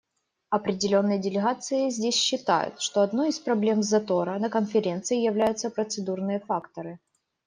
Определенные делегации здесь считают, что одной из проблем затора на Конференции являются процедурные факторы.